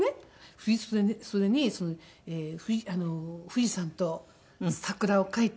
振り袖に富士山と桜を描いて。